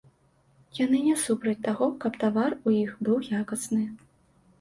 Яны не супраць таго, каб тавар у іх быў якасны.